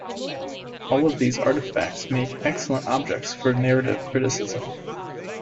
All of these artifacts make excellent objects for narrative criticism.